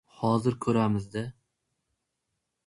Hozir ko‘ramiz-da!